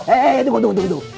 eh tunggu tunggu tunggu